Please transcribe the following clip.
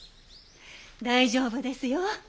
大丈夫ですよ。